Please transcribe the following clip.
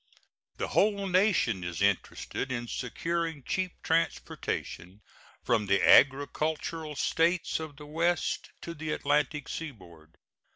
The whole nation is interested in securing cheap transportation from the agricultural States of the West to the Atlantic Seaboard.